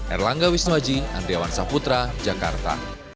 erlangga wisnuaji andriawan saputra jakarta